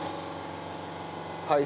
はい。